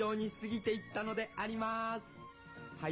はい。